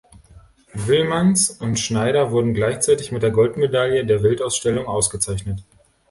Wilmanns und Schneider wurden gleichzeitig mit der Goldmedaille der Weltausstellung ausgezeichnet.